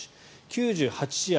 ９８試合